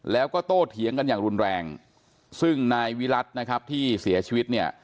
แล้วก็โตเถียงกันอย่างรุนแรงซึ่งนายวิรัตินะครับที่เสียชีวิตเนี่ย